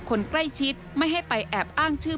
คนใกล้ชิดไม่ให้ไปแอบอ้างชื่อ